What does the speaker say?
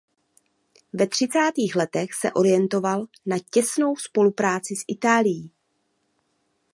Ve třicátých letech se orientoval na těsnou spolupráci s Itálii.